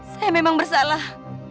saya memang bersalah